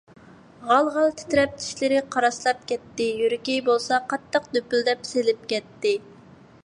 غال - غال تىترەپ، چىشلىرى قاراسلاپ كەتتى، يۈرىكى بولسا قاتتىق دۈپۈلدەپ سېلىپ كەتتى.